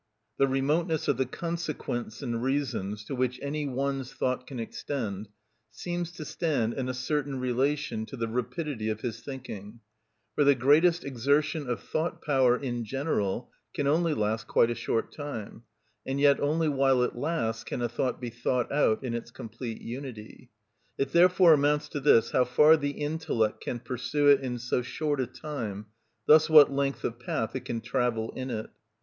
The remoteness of the consequents and reasons to which any one's thought can extend seems to stand in a certain relation to the rapidity of his thinking, for the greatest exertion of thought power in general can only last quite a short time, and yet only while it lasts can a thought be thought out in its complete unity. It therefore amounts to this, how far the intellect can pursue it in so short a time, thus what length of path it can travel in it.